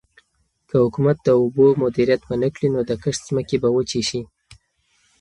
که حکومت د اوبو مدیریت ونکړي نو د کښت ځمکې به وچې شي.